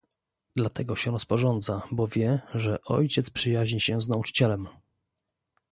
"Dlatego się rozporządza, bo wie, że ojciec przyjaźni się z nauczycielem."